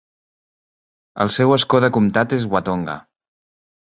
El seu escó de comtat és Watonga.